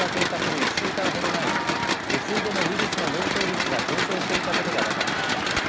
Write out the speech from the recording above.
１週間ほど前に下水でのウイルスの陽性率が上昇していたことが分かりました。